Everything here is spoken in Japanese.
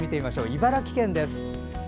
茨城県です。